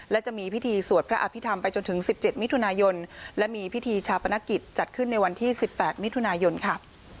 และจะมีพิธีสวดพระอภิษฐรรมไปจนถึง๑๗มิถุนายนและมีพิธีชาปนกิจจัดขึ้นในวันที่๑๘มิถุนายนค่ะ